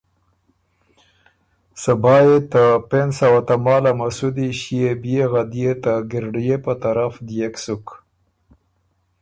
صبا يې ته پېنځ سوه تماله مسودی ݭيې بيې غدئے ته ګِنرړئے په طرف ديېک سُک۔